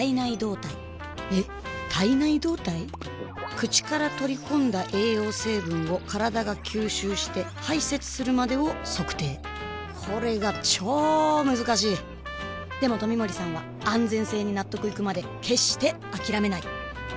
口から取り込んだ栄養成分を体が吸収して排泄するまでを測定これがチョー難しいでも冨森さんは安全性に納得いくまで決してあきらめない！